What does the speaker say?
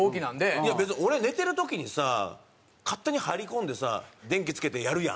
いや俺寝てる時にさ勝手に入り込んでさ電気つけてやるやん。